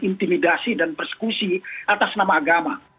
intimidasi dan persekusi atas nama agama